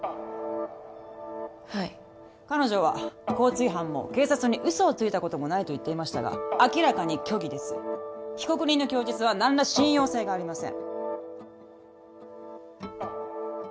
はい彼女は交通違反も警察に嘘をついたこともないと言っていましたが明らかに虚偽です被告人の供述は何ら信用性がありません